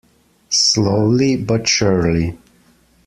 Slowly but surely.